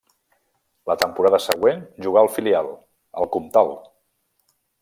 La temporada següent jugà al filial, el Comtal.